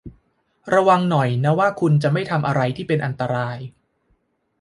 ระวังหน่อยนะว่าคุณจะไม่ทำอะไรที่เป็นอันตราย